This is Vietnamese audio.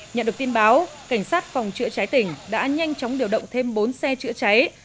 nhận được tin báo cảnh sát phòng chữa cháy tỉnh đã nhanh chóng điều động thêm bốn xe chữa cháy